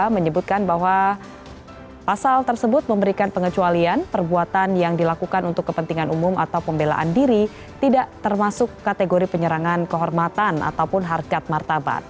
menyebutkan bahwa pasal tersebut memberikan pengecualian perbuatan yang dilakukan untuk kepentingan umum atau pembelaan diri tidak termasuk kategori penyerangan kehormatan ataupun harkat martabat